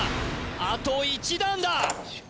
あと１段だ！